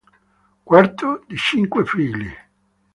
Quarto di cinque figli.